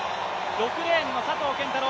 ６レーンの佐藤拳太郎